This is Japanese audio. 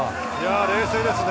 冷静ですね。